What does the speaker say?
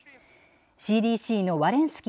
ＣＤＣのワレン